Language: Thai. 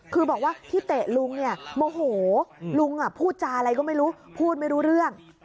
คือบอกว่าที่เตะลุงเนี่ยโมโหลุงพูดจาอะไรก็ไม่รู้พูดไม่รู้เรื่อง